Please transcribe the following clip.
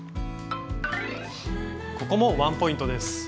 ここもワンポイントです。